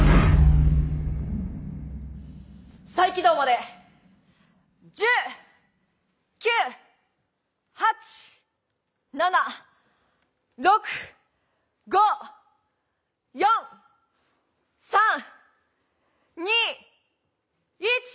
再起動まで１０９８７６５４３２１。